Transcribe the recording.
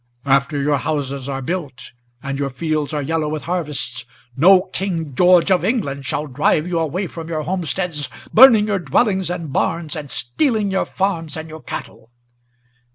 After your houses are built, and your fields are yellow with harvests, No King George of England shall drive you away from your homesteads, Burning your dwellings and barns, and stealing your farms and your cattle."